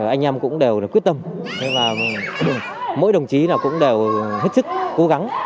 anh em cũng đều quyết tâm và mỗi đồng chí cũng đều hết sức cố gắng